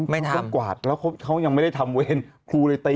ไม่ทำนะคะวาดแล้วเขายังไม่ได้ทำเวรคืนไม่ทำ